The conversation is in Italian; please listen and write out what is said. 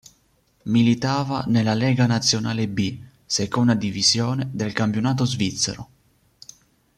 Militava nella Lega Nazionale B, seconda divisione del campionato svizzero.